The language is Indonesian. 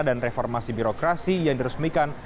dan reformasi birokrasi yang diresmikan